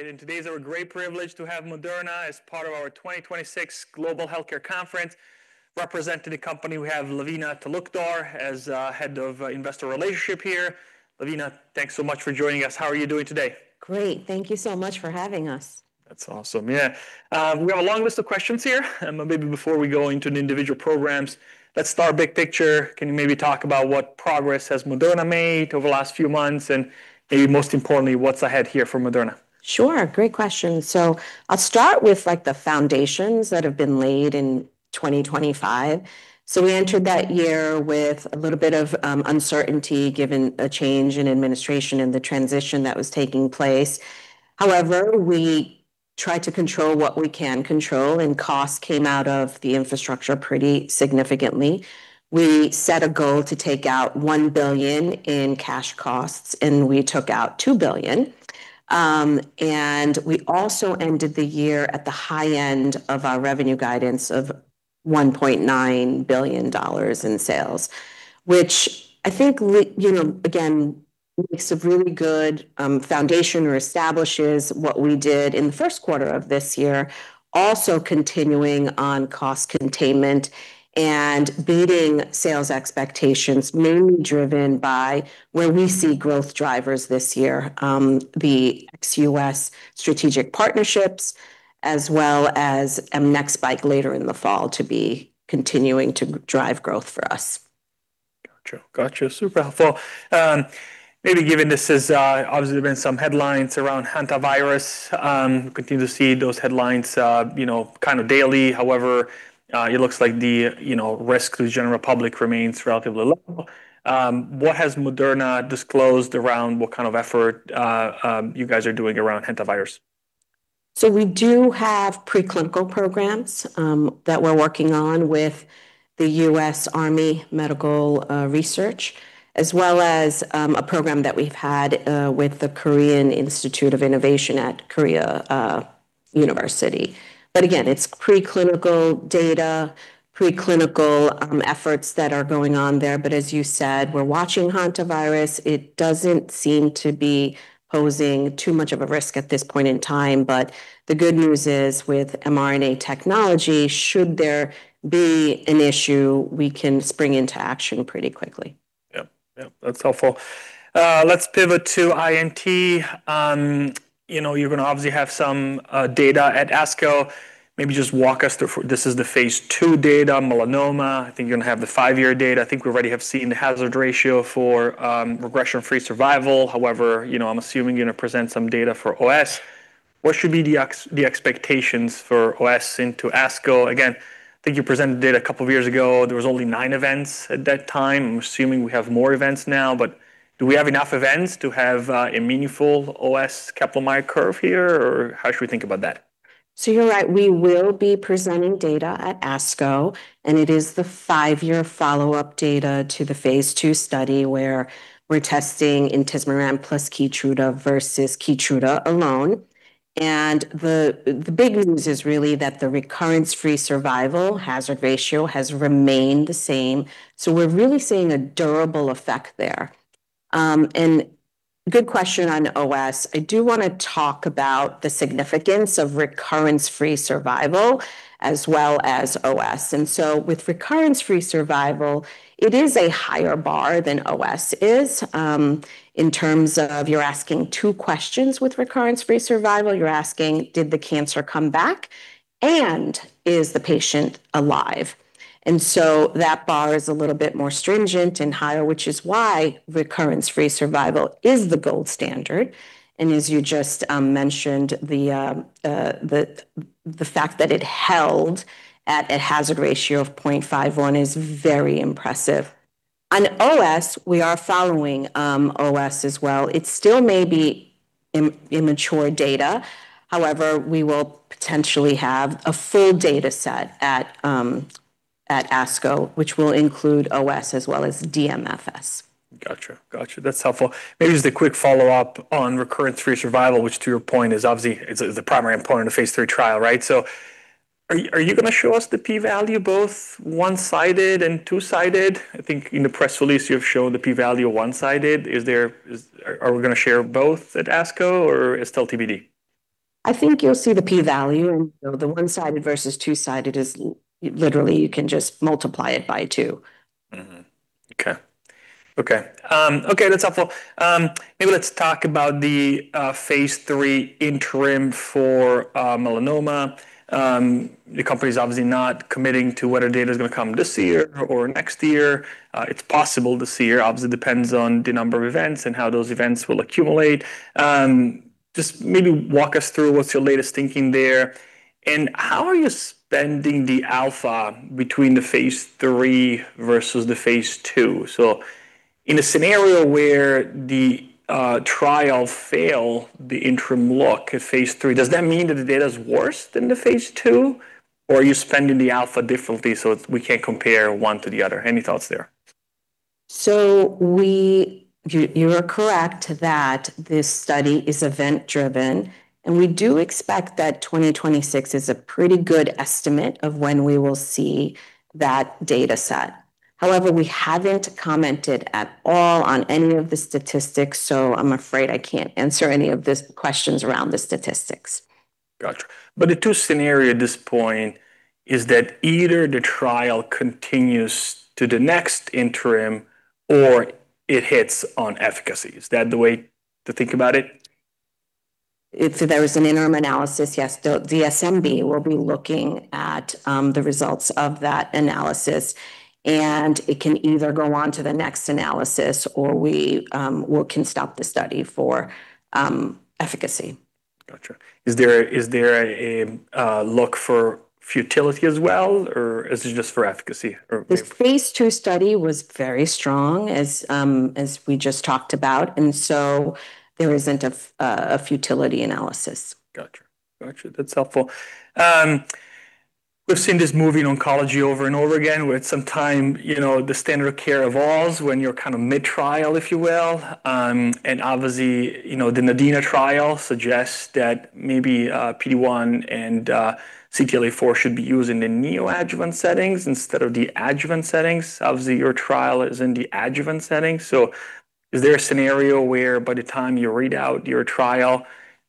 Today it's our great privilege to have Moderna as part of our 2026 Global Healthcare Conference. Representing the company, we have Lavina Talukdar as Head of Investor Relations here. Lavina, thanks so much for joining us. How are you doing today? Great. Thank you so much for having us. That's awesome. We got a long list of questions here. Maybe before we go into the individual programs, let's start big picture. Can you maybe talk about what progress has Moderna made over the last few months, and maybe most importantly, what's ahead here for Moderna? Sure. Great question. I'll start with, like, the foundations that have been laid in 2025. We entered that year with a little bit of uncertainty given a change in administration and the transition that was taking place. However, we tried to control what we can control, and costs came out of the infrastructure pretty significantly. We set a goal to take out $1 billion in cash costs, and we took out $2 billion. We also ended the year at the high end of our revenue guidance of $1.9 billion in sales, which I think you know, again, makes a really good foundation or establishes what we did in the first quarter of this year. Also continuing on cost containment and beating sales expectations, mainly driven by where we see growth drivers this year. The ex-U.S. strategic partnerships as well as mNEXSPIKE later in the fall to be continuing to drive growth for us. Gotcha. Gotcha. Super helpful. Maybe given this has obviously been some headlines around hantavirus, continue to see those headlines, you know, kind of daily. However, it looks like the, you know, risk to the general public remains relatively low. What has Moderna disclosed around what kind of effort you guys are doing around hantavirus? We do have preclinical programs that we're working on with the U.S. Army Medical Research as well as a program that we've had with the Korean Institute of Innovation at Korea University. Again, it's preclinical data, preclinical efforts that are going on there. As you said, we're watching hantavirus. It doesn't seem to be posing too much of a risk at this point in time. The good news is, with mRNA technology, should there be an issue, we can spring into action pretty quickly. Yep. Yep. That's helpful. Let's pivot to INT. You know, you're gonna obviously have some data at ASCO. Maybe just walk us through, this is the phase II data, melanoma. I think you're gonna have the five-year data. I think we already have seen the hazard ratio for regression-free survival. However, you know, I'm assuming you're gonna present some data for OS. What should be the expectations for OS into ASCO? Again, I think you presented data a couple of years ago. There was only nine events at that time. I'm assuming we have more events now, but do we have enough events to have a meaningful OS Kaplan-Meier curve here, or how should we think about that? You're right, we will be presenting data at ASCO, and it is the five-year follow-up data to the phase II study where we're testing intismeran plus KEYTRUDA versus KEYTRUDA alone. The big news is really that the recurrence-free survival hazard ratio has remained the same, so we're really seeing a durable effect there. Good question on OS. I do want to talk about the significance of recurrence-free survival as well as OS. With recurrence-free survival, it is a higher bar than OS is, in terms of you're asking two questions with recurrence-free survival. You're asking, "Did the cancer come back, and is the patient alive?" That bar is a little bit more stringent and higher, which is why recurrence-free survival is the gold standard. As you just mentioned, the fact that it held at a hazard ratio of 0.51 is very impressive. On OS, we are following OS as well. It still may be immature data. However, we will potentially have a full data set at ASCO, which will include OS as well as DMFS. Gotcha. Gotcha. That's helpful. Maybe just a quick follow-up on recurrence-free survival, which to your point is obviously, is the primary endpoint in a phase III trial, right? Are you gonna show us the P-value both one-sided and two-sided? I think in the press release you have shown the P-value one-sided. Are we gonna share both at ASCO, or it's still TBD? I think you'll see the P-value, and the one-sided versus two-sided is literally you can just multiply it by two. Okay. Okay. Okay, that's helpful. Maybe let's talk about the phase III interim for melanoma. The company's obviously not committing to whether data is gonna come this year or next year. It's possible this year. Obviously, it depends on the number of events and how those events will accumulate. Just maybe walk us through what's your latest thinking there, and how are you spending the alpha between the phase III versus the phase II? In a scenario where the trial fail the interim look at phase III, does that mean that the data is worse than the phase II, or are you spending the alpha differently so we can't compare one to the other? Any thoughts there? You are correct that this study is event driven, and we do expect that 2026 is a pretty good estimate of when we will see that data set. However, we haven't commented at all on any of the statistics, so I'm afraid I can't answer any of these questions around the statistics. Gotcha. The two scenario at this point is that either the trial continues to the next interim or it hits on efficacy. Is that the way to think about it? If there is an interim analysis, yes. The DMC will be looking at the results of that analysis, it can either go on to the next analysis, or we can stop the study for efficacy. Gotcha. Is there a look for futility as well, or is it just for efficacy? The phase II study was very strong as we just talked about. There isn't a futility analysis. Gotcha. Gotcha. That's helpful. We've seen this move in oncology over and over again where at some time, you know, the standard care evolves when you're kind of mid-trial, if you will. Obviously, you know, the NADINA trial suggests that maybe PD-1 and CTLA-4 should be used in the neoadjuvant settings instead of the adjuvant settings. Obviously, your trial is in the adjuvant setting. Is there a scenario where by the time you read out your trial,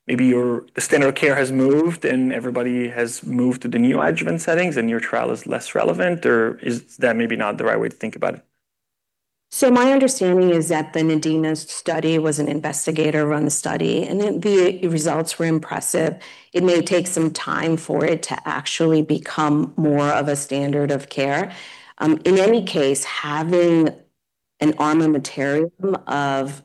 maybe your standard care has moved and everybody has moved to the neoadjuvant settings and your trial is less relevant, or is that maybe not the right way to think about it? My understanding is that the NADINA study was an investigator-run study, and the results were impressive. It may take some time for it to actually become more of a standard of care. In any case, having an armamentarium of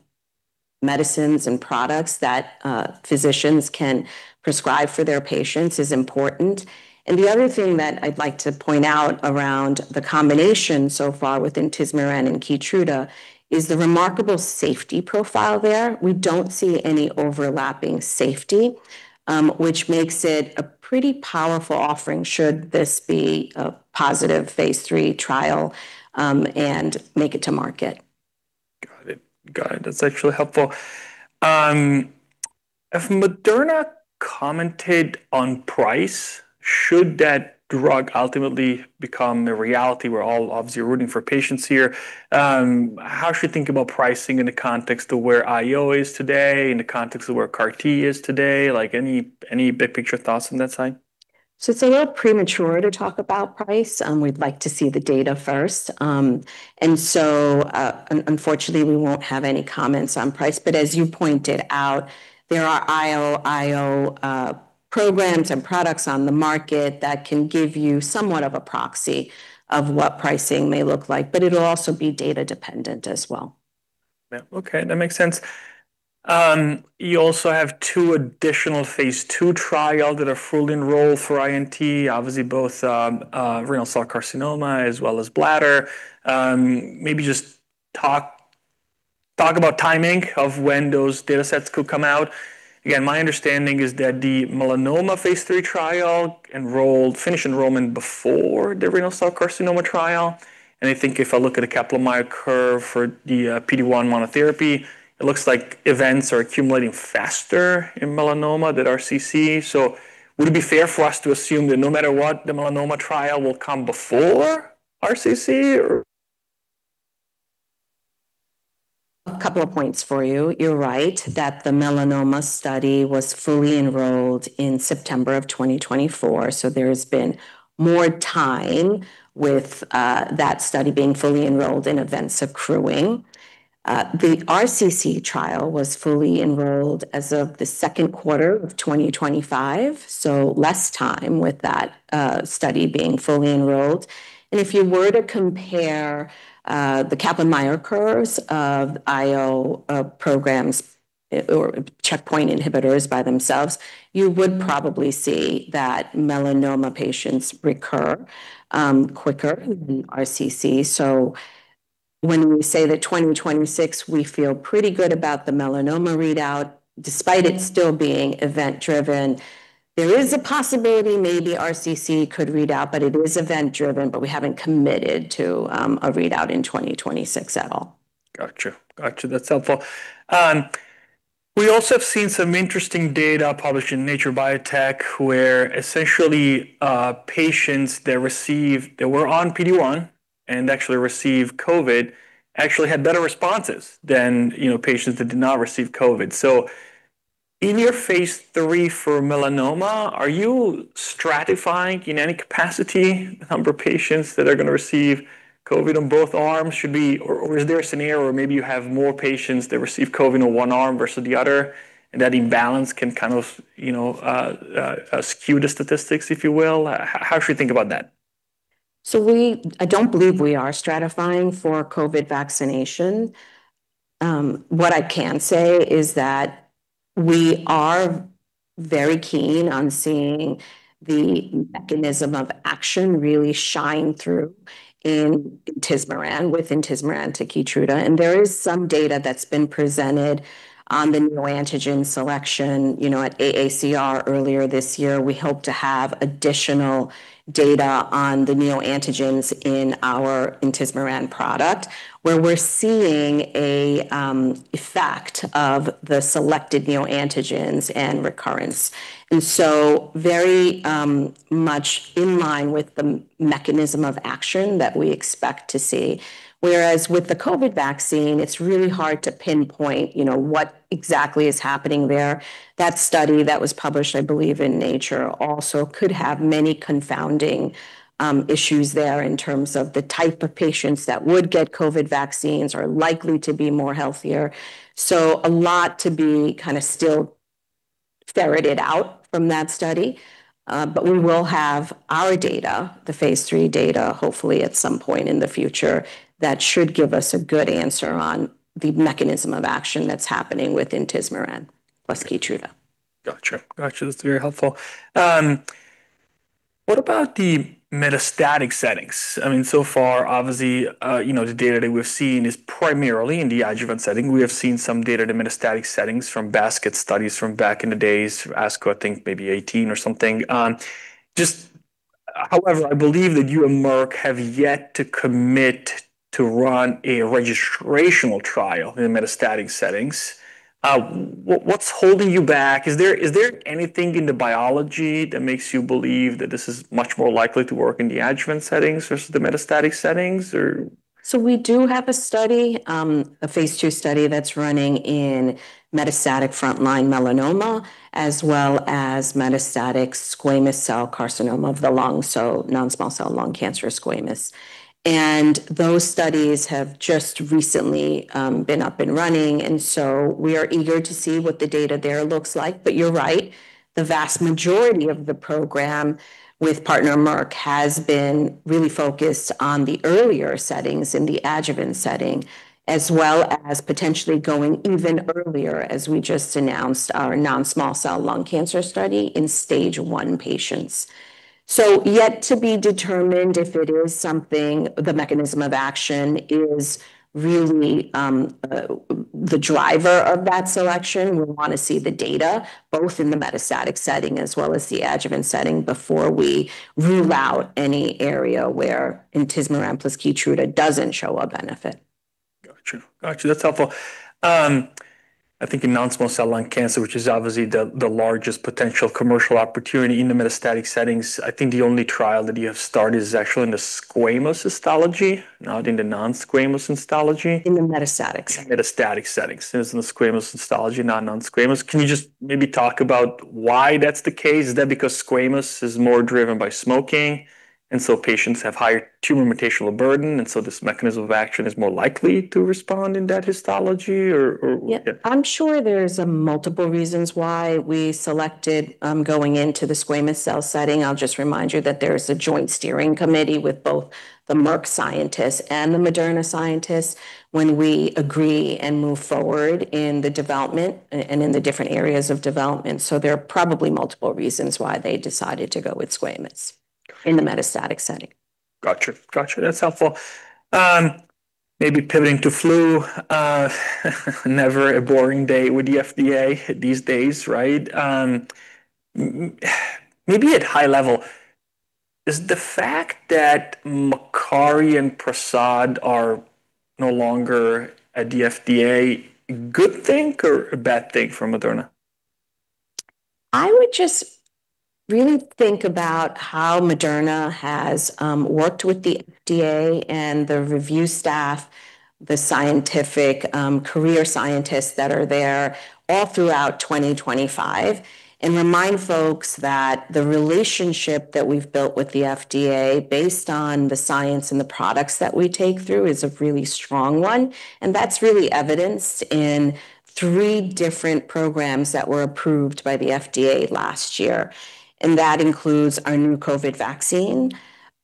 medicines and products that physicians can prescribe for their patients is important. The other thing that I'd like to point out around the combination so far with intismeran and KEYTRUDA is the remarkable safety profile there. We don't see any overlapping safety, which makes it a pretty powerful offering should this be a positive phase III trial and make it to market. Got it. That's actually helpful. If Moderna commented on price, should that drug ultimately become a reality where all, obviously you're rooting for patients here, how should you think about pricing in the context of where IO is today, in the context of where CAR T is today? Like, any big picture thoughts on that side? It's a little premature to talk about price. We'd like to see the data first. Unfortunately, we won't have any comments on price. As you pointed out, there are IO programs and products on the market that can give you somewhat of a proxy of what pricing may look like, but it'll also be data dependent as well. Okay, that makes sense. You also have two additional phase II trial that are fully enrolled for INT, obviously both renal cell carcinoma as well as bladder. Maybe just talk about timing of when those datasets could come out. My understanding is that the melanoma phase III trial finished enrollment before the renal cell carcinoma trial. I think if I look at a Kaplan-Meier curve for the PD-1 monotherapy, it looks like events are accumulating faster in melanoma than RCC. Would it be fair for us to assume that no matter what, the melanoma trial will come before RCC? A couple of points for you. You're right that the melanoma study was fully enrolled in September of 2024, there's been more time with that study being fully enrolled in events accruing. The RCC trial was fully enrolled as of the second quarter of 2025, so less time with that study being fully enrolled. If you were to compare the Kaplan-Meier curves of IO programs or checkpoint inhibitors by themselves, you would probably see that melanoma patients recur quicker than RCC. When we say that 2026, we feel pretty good about the melanoma readout, despite it still being event-driven. There is a possibility maybe RCC could read out, but it is event-driven, but we haven't committed to a readout in 2026 at all. Gotcha. Gotcha. That's helpful. We also have seen some interesting data published in Nature Biotechnology, where essentially, patients that were on PD-1 and actually received COVID actually had better responses than, you know, patients that did not receive COVID. In your phase III for melanoma, are you stratifying in any capacity the number of patients that are gonna receive COVID on both arms or is there a scenario where maybe you have more patients that receive COVID on one arm versus the other, and that imbalance can kind of, you know, skew the statistics, if you will? How should we think about that? I don't believe we are stratifying for COVID vaccination. What I can say is that we are very keen on seeing the mechanism of action really shine through in intismeran, with intismeran to KEYTRUDA. There is some data that's been presented on the neoantigen selection, you know, at AACR earlier this year. We hope to have additional data on the neoantigens in our intismeran product, where we're seeing a effect of the selected neoantigens and recurrence. Very much in line with the mechanism of action that we expect to see. Whereas with the COVID vaccine, it's really hard to pinpoint, you know, what exactly is happening there. That study that was published, I believe, in Nature also could have many confounding issues there in terms of the type of patients that would get COVID vaccines are likely to be more healthier. A lot to be kind of still ferreted out from that study. We will have our data, the phase III data, hopefully at some point in the future that should give us a good answer on the mechanism of action that's happening with intismeran plus KEYTRUDA. Gotcha. Gotcha. That's very helpful. What about the metastatic settings? I mean, so far, obviously, you know, the data that we've seen is primarily in the adjuvant setting. We have seen some data, the metastatic settings from basket studies from back in the days, ASCO, I think maybe 18 or something. However, I believe that you and Merck have yet to commit to run a registrational trial in the metastatic settings. What's holding you back? Is there anything in the biology that makes you believe that this is much more likely to work in the adjuvant settings versus the metastatic settings or? We do have a study, a phase II study that's running in metastatic frontline melanoma, as well as metastatic squamous cell carcinoma of the lung, so non-small cell lung cancer squamous. Those studies have just recently been up and running, we are eager to see what the data there looks like. You're right, the vast majority of the program with partner Merck has been really focused on the earlier settings in the adjuvant setting, as well as potentially going even earlier as we just announced our non-small cell lung cancer study in Stage 1 patients. Yet to be determined if it is something the mechanism of action is really the driver of that selection. We want to see the data both in the metastatic setting as well as the adjuvant setting before we rule out any area where intismeran plus KEYTRUDA doesn't show a benefit. Gotcha. Gotcha. That's helpful. I think in non-small cell lung cancer, which is obviously the largest potential commercial opportunity in the metastatic settings, I think the only trial that you have started is actually in the squamous histology, not in the non-squamous histology. In the metastatic setting. Metastatic settings. It's in the squamous histology, not non-squamous. Can we just maybe talk about why that's the case? Is that because squamous is more driven by smoking, and so patients have higher tumor mutational burden, and so this mechanism of action is more likely to respond in that histology? Yeah. I'm sure there's, multiple reasons why we selected, going into the squamous cell setting. I'll just remind you that there's a joint steering committee with both the Merck scientists and the Moderna scientists when we agree and move forward in the development and in the different areas of development. There are probably multiple reasons why they decided to go with. Gotcha in the metastatic setting. Gotcha. Gotcha. That's helpful. Maybe pivoting to flu, never a boring day with the FDA these days, right? Maybe at high level, is the fact that Makary and Prasad are no longer at the FDA a good thing or a bad thing for Moderna? I would just really think about how Moderna has worked with the FDA and the review staff, the scientific, career scientists that are there all throughout 2025, and remind folks that the relationship that we've built with the FDA based on the science and the products that we take through is a really strong one. That's really evidenced in three different programs that were approved by the FDA last year. That includes our new COVID vaccine,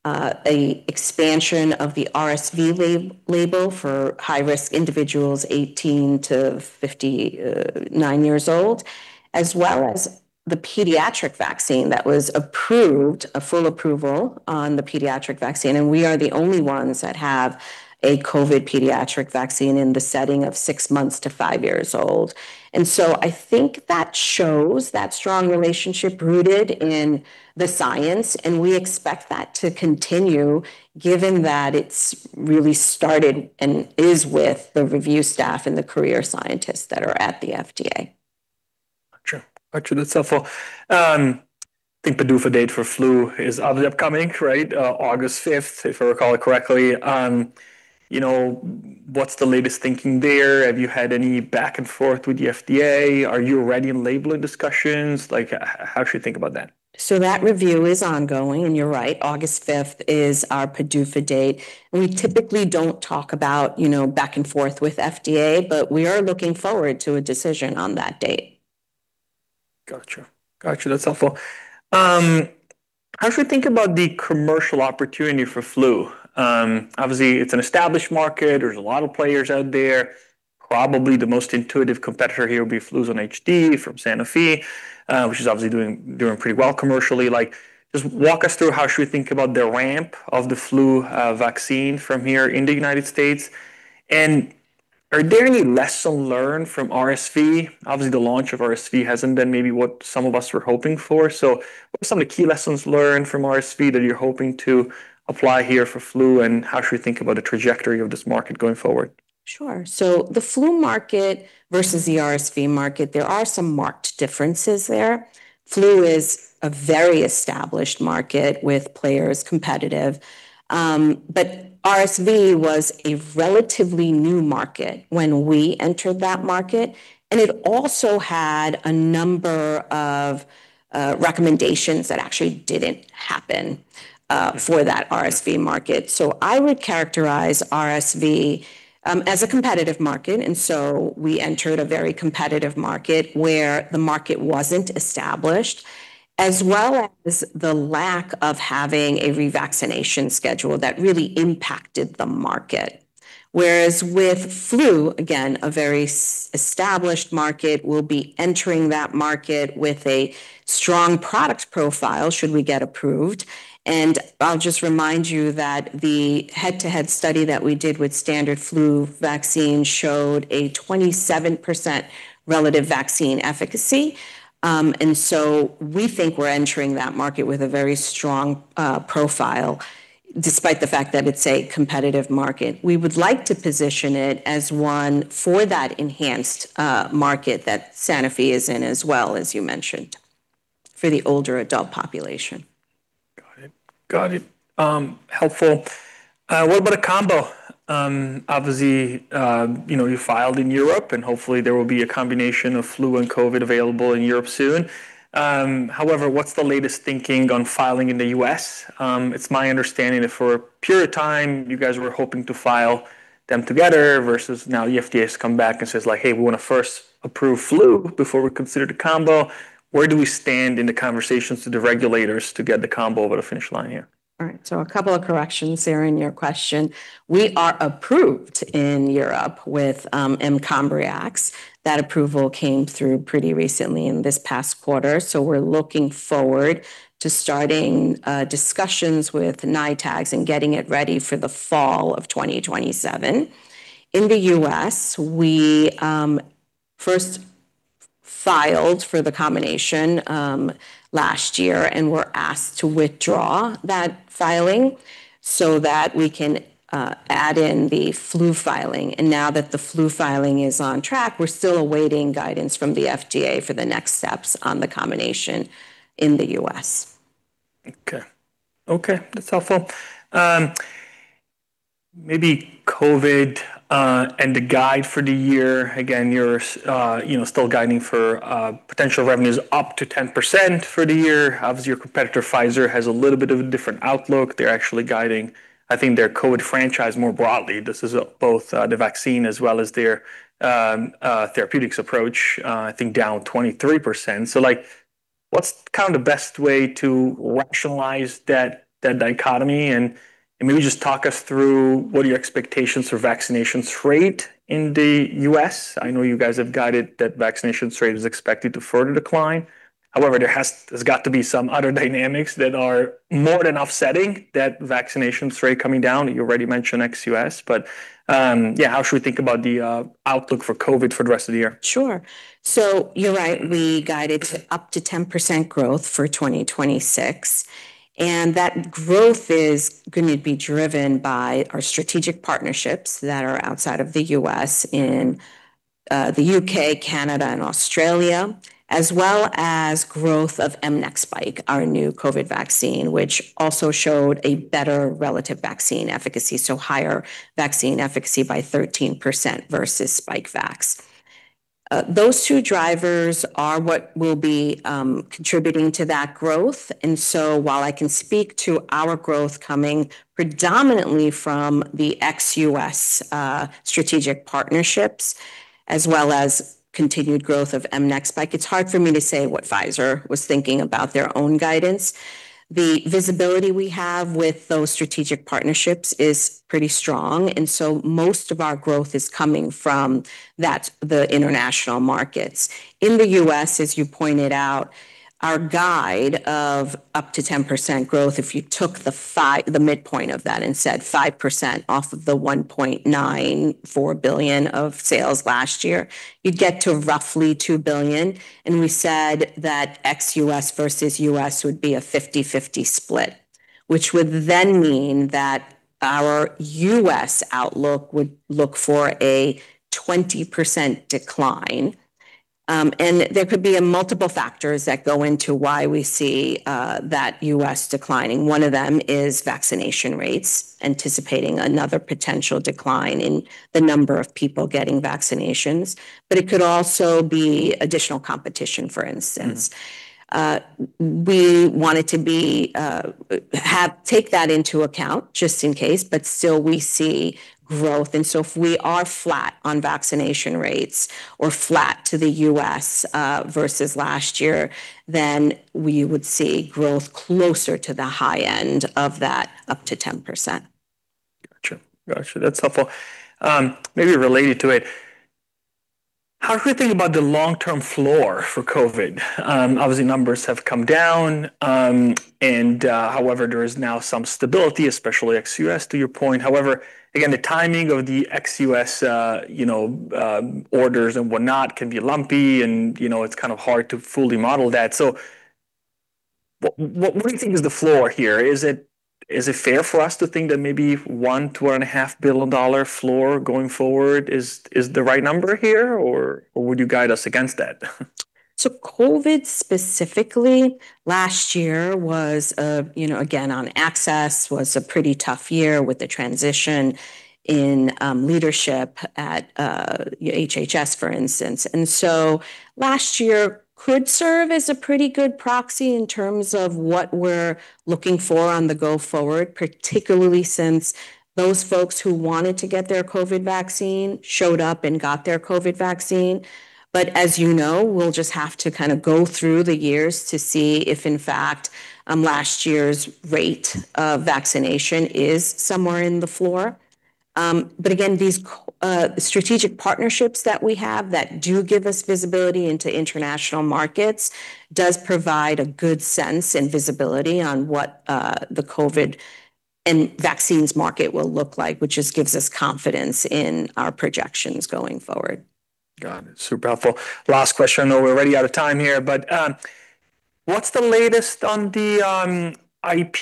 a expansion of the RSV label for high-risk individuals 18 to 59 years old, as well as the pediatric vaccine that was approved, a full approval on the pediatric vaccine, and we are the only ones that have a COVID pediatric vaccine in the setting of six months to five years old. I think that shows that strong relationship rooted in the science, and we expect that to continue given that it's really started and is with the review staff and the career scientists that are at the FDA. Gotcha. Gotcha. That's helpful. I think the PDUFA date for flu is obviously upcoming, right? August 5th, if I recall it correctly. You know, what's the latest thinking there? Have you had any back and forth with the FDA? Are you ready in labeling discussions? How should we think about that? That review is ongoing, and you're right, August fifth is our PDUFA date. We typically don't talk about, you know, back and forth with FDA, but we are looking forward to a decision on that date. Gotcha. Gotcha. That's helpful. How should we think about the commercial opportunity for flu? Obviously, it's an established market. There's a lot of players out there. Probably the most intuitive competitor here would be Fluzone High-Dose from Sanofi, which is obviously doing pretty well commercially. Like, just walk us through how should we think about the ramp of the flu vaccine from here in the U.S. Are there any lessons learned from RSV? Obviously, the launch of RSV hasn't been maybe what some of us were hoping for. What are some of the key lessons learned from RSV that you're hoping to apply here for flu, and how should we think about the trajectory of this market going forward? Sure. The flu market versus the RSV market, there are some marked differences there. Flu is a very established market with players competitive. But RSV was a relatively new market when we entered that market, and it also had a number of recommendations that actually didn't happen for that RSV market. I would characterize RSV as a competitive market, and so we entered a very competitive market where the market wasn't established, as well as the lack of having a revaccination schedule that really impacted the market. Whereas with flu, again, a very established market, we'll be entering that market with a strong product profile should we get approved. I'll just remind you that the head-to-head study that we did with standard flu vaccine showed a 27% relative vaccine efficacy. We think we're entering that market with a very strong profile despite the fact that it's a competitive market. We would like to position it as one for that enhanced market that Sanofi is in as well, as you mentioned, for the older adult population. Got it. Got it. Helpful. What about a combo? Obviously, you know, you filed in Europe, and hopefully there will be a combination of flu and COVID available in Europe soon. What's the latest thinking on filing in the U.S.? It's my understanding that for a period of time you guys were hoping to file them together versus now the FDA has come back and says like, "Hey, we wanna first approve flu before we consider the combo." Where do we stand in the conversations with the regulators to get the combo over the finish line here? All right, a couple of corrections there in your question. We are approved in Europe with mCOMBRIAX. That approval came through pretty recently in this past quarter, we're looking forward to starting discussions with NITAGs and getting it ready for the fall of 2027. In the U.S., we first filed for the combination last year and were asked to withdraw that filing so that we can add in the flu filing. Now that the flu filing is on track, we're still awaiting guidance from the FDA for the next steps on the combination in the U.S. Okay. Okay, that's helpful. Maybe COVID and the guide for the year. Again, you know, still guiding for potential revenues up to 10% for the year. Obviously, your competitor, Pfizer, has a little bit of a different outlook. They're actually guiding, I think, their COVID franchise more broadly. This is both the vaccine as well as their therapeutics approach, I think down 23%. Like, what's kind of the best way to rationalize that dichotomy? And maybe just talk us through what are your expectations for vaccinations rate in the U.S. I know you guys have guided that vaccination rate is expected to further decline. However, there's got to be some other dynamics that are more than offsetting that vaccination rate coming down. You already mentioned ex-U.S. Yeah, how should we think about the outlook for COVID for the rest of the year? Sure. You're right, we guided to up to 10% growth for 2026, and that growth is gonna be driven by our strategic partnerships that are outside of the U.S. in the U.K., Canada, and Australia, as well as growth of mNEXSPIKE, our new COVID vaccine, which also showed a better relative vaccine efficacy, so higher vaccine efficacy by 13% versus Spikevax. Those two drivers are what will be contributing to that growth. While I can speak to our growth coming predominantly from the ex-U.S. strategic partnerships as well as continued growth of mNEXSPIKE, it's hard for me to say what Pfizer was thinking about their own guidance. The visibility we have with those strategic partnerships is pretty strong, and so most of our growth is coming from that, the international markets. In the U.S., as you pointed out, our guide of up to 10% growth, if you took the midpoint of that and said 5% off of the $1.94 billion of sales last year, you'd get to roughly $2 billion. We said that ex-U.S. versus U.S. would be a 50/50 split, which would then mean that our U.S. outlook would look for a 20% decline. There could be multiple factors that go into why we see that U.S. declining. One of them is vaccination rates, anticipating another potential decline in the number of people getting vaccinations. It could also be additional competition, for instance. We want it to take that into account just in case. Still we see growth. If we are flat on vaccination rates or flat to the U.S., versus last year, then we would see growth closer to the high end of that up to 10%. Gotcha. Gotcha. That's helpful. Maybe related to it, how should we think about the long-term floor for COVID? Obviously numbers have come down, however, there is now some stability, especially ex-U.S., to your point. However, again, the timing of the ex-U.S., you know, orders and whatnot can be lumpy and, you know, it's kind of hard to fully model that. What, what do you think is the floor here? Is it, is it fair for us to think that maybe $1 billion-$2.5 billion floor going forward is the right number here, or would you guide us against that? COVID specifically last year was a, you know, again, on access, was a pretty tough year with the transition in leadership at HHS, for instance. Last year could serve as a pretty good proxy in terms of what we're looking for on the go forward, particularly since those folks who wanted to get their COVID vaccine showed up and got their COVID vaccine. As you know, we'll just have to kind of go through the years to see if in fact, last year's rate of vaccination is somewhere in the floor. Again, these strategic partnerships that we have that do give us visibility into international markets does provide a good sense and visibility on what the COVID and vaccines market will look like, which just gives us confidence in our projections going forward. Got it. Super helpful. Last question. I know we're already out of time here, what's the latest on the IP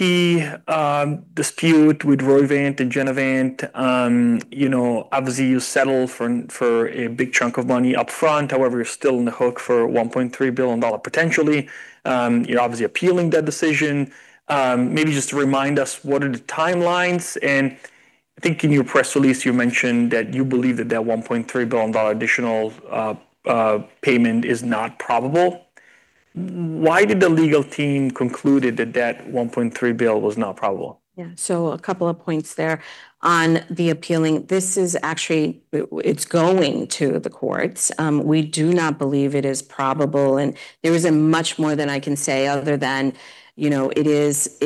dispute with Roivant and Genevant? You know, obviously you settled for a big chunk of money upfront, however, you're still on the hook for $1.3 billion potentially. You're obviously appealing that decision. Maybe just to remind us, what are the timelines? I think in your press release you mentioned that you believe that that $1.3 billion additional payment is not probable. Why did the legal team concluded that that $1.3 billion was not probable? Yeah. A couple of points there on the appealing. This is actually it's going to the courts. We do not believe it is probable, and there isn't much more than I can say other than, you know, it is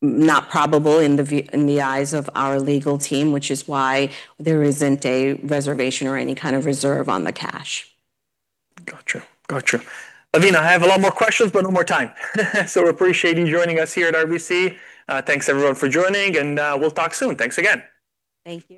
not probable in the eyes of our legal team, which is why there isn't a reservation or any kind of reserve on the cash. Gotcha. Gotcha. Lavina, I have a lot more questions, but no more time. Appreciate you joining us here at RBC. Thanks everyone for joining and, we'll talk soon. Thanks again. Thank you.